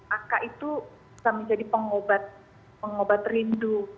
akak itu sampai jadi pengobat pengobat rindu